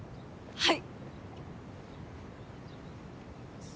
はい。